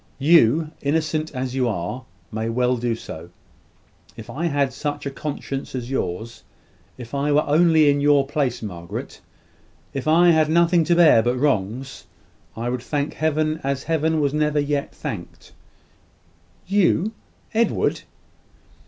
You, innocent as you are, may well do so. If I had such a conscience as yours if I were only in your place, Margaret if I had nothing to bear but wrongs, I would thank Heaven as Heaven was never yet thanked." "You, Edward!"